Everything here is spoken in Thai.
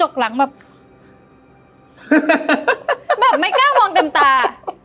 แบบไม่กล้ามองเต็มตา